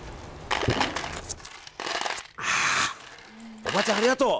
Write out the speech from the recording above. おばちゃん、ありがとう！